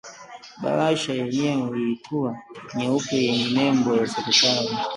Bahasha yenyewe ilikuwa nyeupe, yenye nembo ya serikali